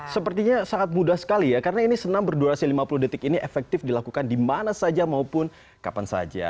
sepertinya sangat mudah sekali ya karena ini senam berdurasi lima puluh detik ini efektif dilakukan di mana saja maupun kapan saja